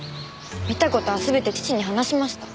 見た事は全て父に話しました。